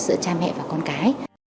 giữa cha mẹ và con cái